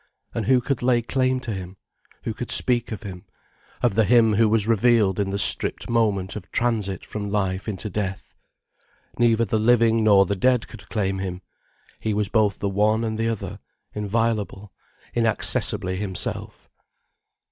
And who could lay claim to him, who could speak of him, of the him who was revealed in the stripped moment of transit from life into death? Neither the living nor the dead could claim him, he was both the one and the other, inviolable, inaccessibly himself.